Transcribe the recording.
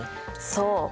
そう。